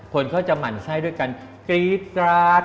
คนเขาจะหมั่นไส้ด้วยกันกรี๊ดกราด